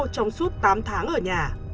trong suốt tám tháng ở nhà